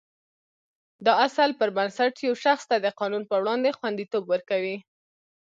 دا اصل پر بنسټ یو شخص ته د قانون په وړاندې خوندیتوب ورکوي.